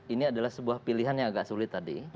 ini adalah sebuah pilihan yang agak sulit tadi